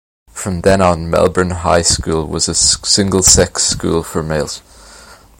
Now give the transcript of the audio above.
From then on, Melbourne High School was a single-sex school for males.